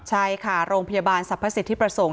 ใช่ค่ะโรงพยาบาลสรรพสิทธิประสงค์